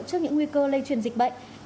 trước những nguy cơ lây truyền dịch bệnh